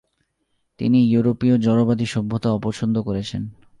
তিনি ইউরােপীয় জড়বাদী সভ্যতা অপছন্দ করেছেন।